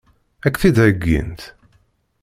Ad k-t-id-heggint?